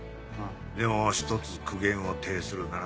でも１つ苦言を呈するなら。